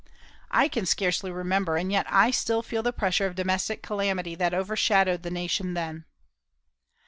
I can scarcely remember, and yet I still feel the pressure of domestic calamity that overshadowed the nation then.